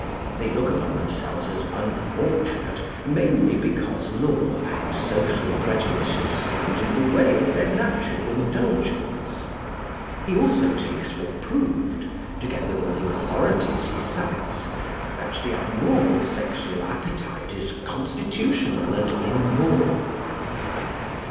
They look upon themselves as unfortunate mainly because law and social prejudices stand in the way of their natural indulgence. He also takes for proved, together with all the authorities he cites, that the abnormal sexual appetite is constitutional and inborn.